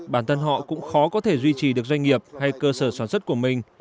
bản thân họ cũng khó có thể duy trì được doanh nghiệp hay cơ sở sản xuất của mình